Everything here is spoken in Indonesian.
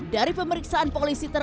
dari pemeriksaan polisi tersebut